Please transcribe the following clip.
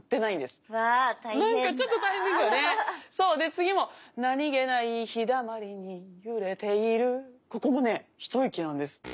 で次もなにげないひだまりにゆれているここもね一息なんです。